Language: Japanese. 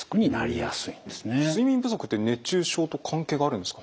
睡眠不足って熱中症と関係があるんですか？